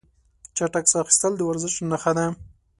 چټک ساه اخیستل د ورزش نښه ده.